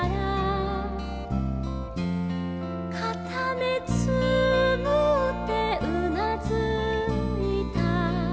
「かためつむってうなずいた」